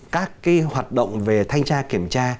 các hoạt động về thanh tra kiểm tra